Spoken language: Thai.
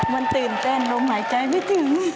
มันตื่นเต้นลมหายใจไม่ถึง